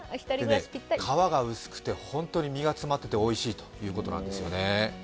皮が薄くて本当に実が詰まってておいしいということなんですよね。